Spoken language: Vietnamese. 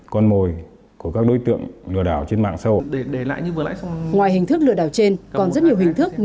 con mồi của các đối tượng lừa đảo trên mạng sâu ngoài hình thức lừa đảo trên còn rất nhiều hình thức